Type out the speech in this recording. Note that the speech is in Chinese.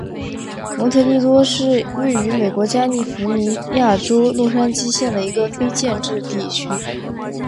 蒙特尼多是位于美国加利福尼亚州洛杉矶县的一个非建制地区。